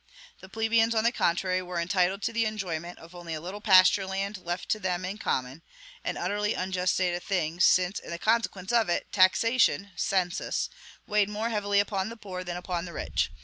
The plebeians, on the contrary, were entitled to the enjoyment of only a little pasture land left to them in common: an utterly unjust state of things, since, in consequence of it, taxation census weighed more heavily upon the poor than upon the rich.